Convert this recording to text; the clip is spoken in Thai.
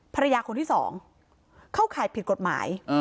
ภรรยาคนที่สองเข้าข่ายผิดกฎหมาย